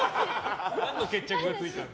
何の決着がついたの。